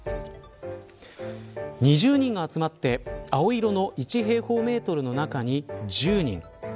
２０人が集まって、青色の１平方メートルの中に、１０人。